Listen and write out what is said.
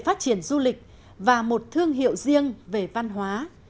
phát triển du lịch và một thương hiệu riêng về văn hóa